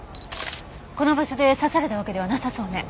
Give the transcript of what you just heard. この場所で刺されたわけではなさそうね。